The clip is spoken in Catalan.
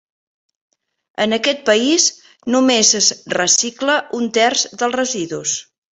En aquest país només es recicla un terç dels residus.